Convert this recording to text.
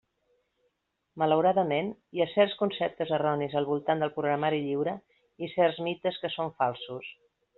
Malauradament, hi ha certs conceptes erronis al voltant del programari lliure i certs mites que són falsos.